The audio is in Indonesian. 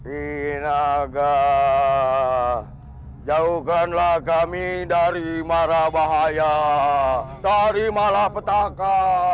inaga jauhkanlah kami dari mara bahaya dari mara petaka